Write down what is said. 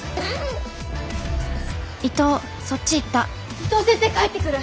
伊藤先生帰ってくる！